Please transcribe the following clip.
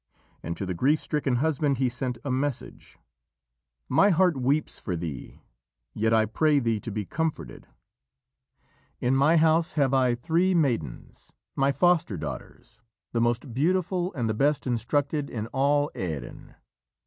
And to the grief stricken husband he sent a message: "My heart weeps for thee, yet I pray thee to be comforted. In my house have I three maidens, my foster daughters, the most beautiful and the best instructed in all Erin.